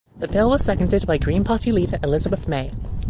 The bill was seconded by Green Party leader Elizabeth May.